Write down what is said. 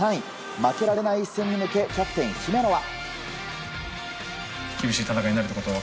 負けられない一戦に向けキャプテン姫野は。